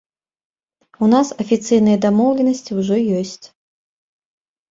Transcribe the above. У нас афіцыйныя дамоўленасці ўжо ёсць.